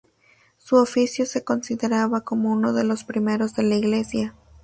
Su oficio se consideraba como uno de los primeros de la Iglesia.